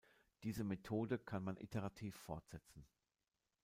Diese Methode kann man iterativ fortsetzen.